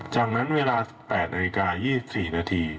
จากนั้นเวลา๑๘นาฬิกา๒๔นาที